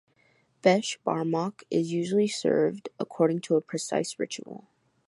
Beshbarmak is usually served according to a precise ritual.